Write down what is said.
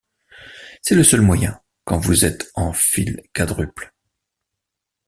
C'est le seul moyen quand vous êtes en fil quadruple.